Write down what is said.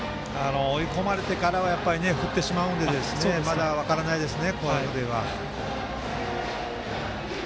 追い込まれてからは振ってしまうのでまだ分からないですね。